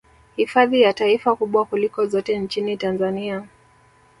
Hifadhi ya taifa kubwa kuliko zote nchini Tanzania